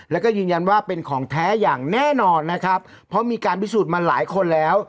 แล้วก็ยืนยันว่าเป็นของแท้อย่างแน่นอนนะครับเพราะมีการพิสูจน์มาหลายคนแล้ว